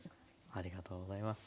ありがとうございます。